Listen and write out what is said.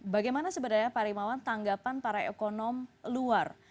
bagaimana sebenarnya pak rimawan tanggapan para ekonom luar